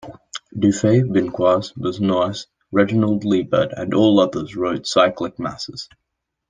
Dufay, Binchois, Busnois, Reginald Liebert and others all wrote cyclic masses.